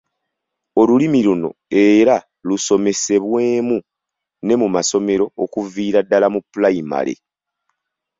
Olulimi luno era lusomesebwemu ne mu masomero okuviira ddala mu pulayimale.